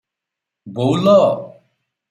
"ବୋଉଲୋ!